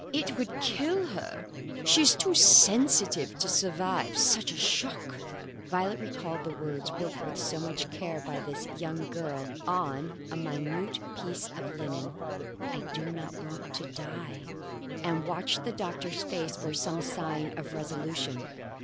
It would kill her. She's too sensitive to survive such a shock." Violet recalled the words worked with so much care by this young girl on a minute piece of linen, I do not want to die, and watched the doctor's face for some sign of resolution.